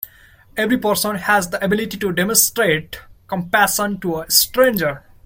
Every person has the ability to demonstrate compassion to a stranger.